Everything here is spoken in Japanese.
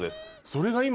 それが今。